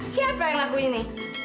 siapa yang lakuin ini